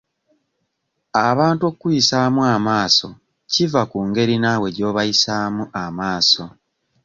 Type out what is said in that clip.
Abantu okkuyisaamu amaaso kiva ku ngeri naawe gy'obayisaamu amaaso.